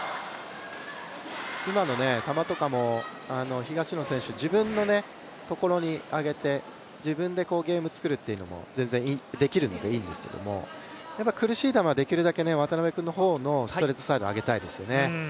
今の球とかも、東野選手、自分のところに上げて自分でゲームを作るというのも全然できるのでいいんですけど苦しい球はできるだけ渡辺君の方のストレートサイドで当てたいですよね。